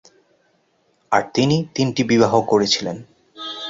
আর তিনি তিনটি বিবাহ করেছিলেন।